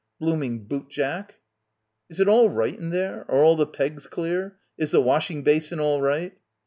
"Blooming boot Jack." "Is it all right in there? Are all the pegs clear? Is the washing basin all right?"